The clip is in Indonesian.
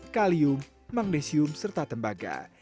kalium magnesium serta tembaga